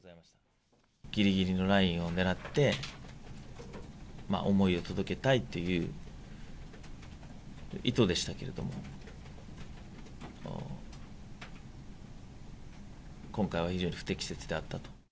ぎりぎりのラインを狙って、思いを届けたいっていう意図でしたけれども、今回は非常に不適切であったと。